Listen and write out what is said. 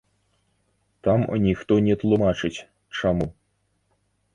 Там ніхто не тлумачыць, чаму.